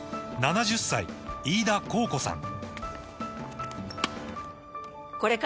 ７０歳飯田考子さん